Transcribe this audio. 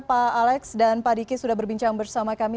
pak alex dan pak diki sudah berbincang bersama kami